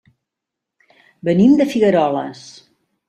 Venim de Figueroles.